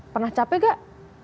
pernah capek nggak